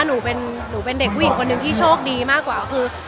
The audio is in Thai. หนูเป็นเด็กผู้หญิงต่อไปกว่า